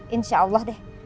insya allah deh